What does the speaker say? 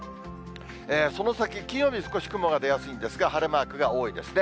その先、金曜日、少し雲が出やすいんですが、晴れマークが多いですね。